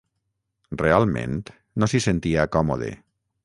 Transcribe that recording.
Realment, no s'hi sentia còmode.